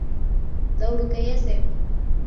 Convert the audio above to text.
دورك يا سامي.